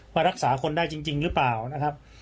ว่ารักษาคนได้จริงหรือเปล่านะครับ